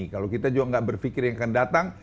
kalau kita juga nggak berpikir yang akan datang